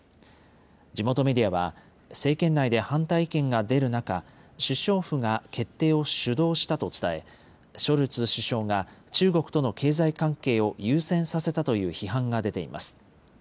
地元メディアは、政権内で反対意見が出る中、首相府が決定を主導したと伝え、ショルツ首相が中国との経済関係を優先させたという批判が出ています。